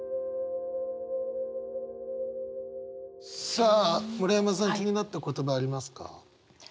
さあ村山さん気になった言葉ありますか？